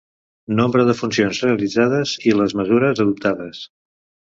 Nombre de funcions realitzades i les mesures adoptades.